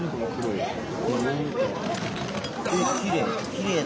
きれい。